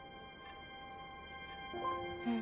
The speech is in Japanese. うん。